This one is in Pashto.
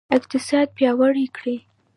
اقتصاد پیاوړی کړئ